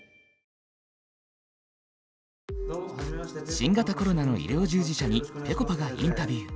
新型コロナの医療従事者にぺこぱがインタビュー。